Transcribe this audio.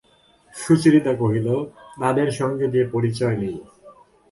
সুচরিতা কহিল, তাঁদের সঙ্গে যে পরিচয় নেই।